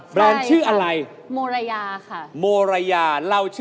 แบรนด์ชื่ออะไรมูระยาค่ะค่ะโอเค